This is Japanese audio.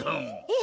え！